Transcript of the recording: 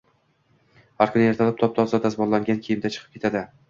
Har kuni ertalab top-toza, dazmollangan kiyimda chiqib ketadi